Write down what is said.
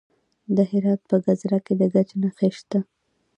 د هرات په ګذره کې د ګچ نښې شته.